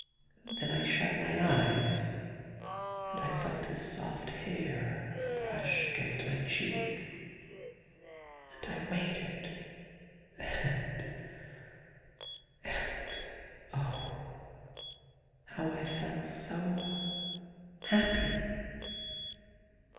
Then I shut my eyes and I felt his soft hair brush against my cheek — and I waited — and oh, I felt so happy.